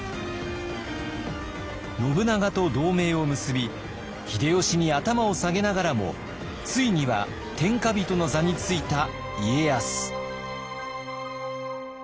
信長と同盟を結び秀吉に頭を下げながらもついには天下人の座についた家康。